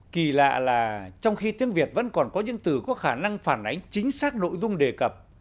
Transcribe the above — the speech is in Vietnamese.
kỳ lạ là trong khi tiếng việt vẫn còn có những từ có khả năng phản ánh chính xác nội dung đề cập